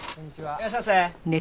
いらっしゃいませ。